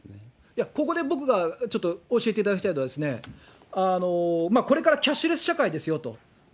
いや、ここで僕がちょっと教えていただきたいのは、これからキャッシュレス社会ですよと。